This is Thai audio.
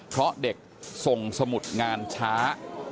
เพราะเด็กส่งสมุดงานช้า